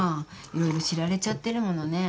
色々知られちゃってるものね。